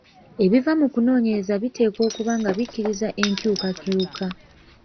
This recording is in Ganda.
Ebiva mu kunoonyereza biteekwa okuba nga bikkiriza enkyukakyuka.